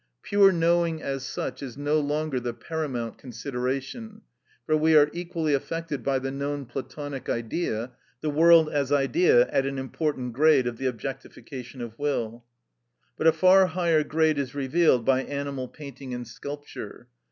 Pure knowing as such is no longer the paramount consideration, for we are equally affected by the known Platonic Idea, the world as idea at an important grade of the objectification of will. But a far higher grade is revealed by animal painting and sculpture.